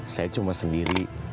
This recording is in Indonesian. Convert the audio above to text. saya cuma sendiri